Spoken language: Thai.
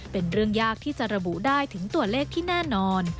เป็นเรื่องยากที่จะระบุได้ถึงตัวเลขที่แน่นอน